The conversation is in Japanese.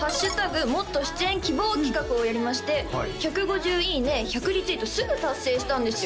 もっと出演希望企画をやりまして１５０いいね１００リツイートすぐ達成したんですよ